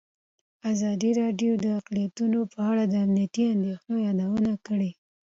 ازادي راډیو د اقلیتونه په اړه د امنیتي اندېښنو یادونه کړې.